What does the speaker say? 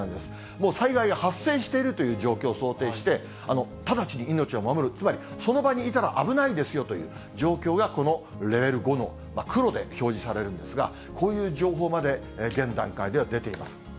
もう災害が発生しているという状況を想定して、直ちに命を守る、つまりその場にいたら危ないですよという状況が、このレベル５の黒で表示されるんですが、こういう情報まで現段階では出ています。